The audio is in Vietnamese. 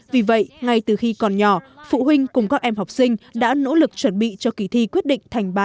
vì vậy ngay từ khi còn nhỏ phụ huynh cùng các em học sinh đã nỗ lực chuẩn bị cho kỳ thi quyết định thành ba